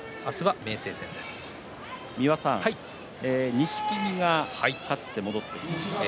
錦木が勝って戻ってきました。